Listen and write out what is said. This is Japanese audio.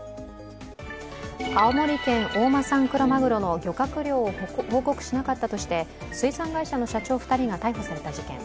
青森県大間産クロマグロの漁獲量を報告しなかったとして水産会社の社長２人が逮捕された事件。